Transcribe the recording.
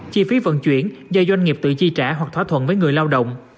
chi phí vận chuyển do doanh nghiệp tự chi trả hoặc thỏa thuận với người lao động